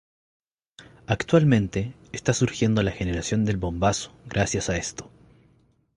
Actualmente, está surgiendo la Generación del Bombazo gracias a esto.